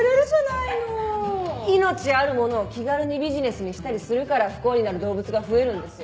命あるものを気軽にビジネスにしたりするから不幸になる動物が増えるんですよ。